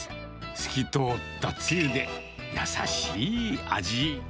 透き通ったつゆで、優しい味。